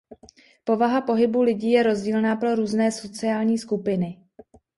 Povaha pohybu lidi je rozdílná pro různé sociální skupiny.